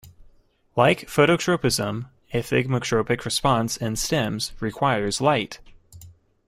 Like phototropism, a thigmotropic response in stems requires light.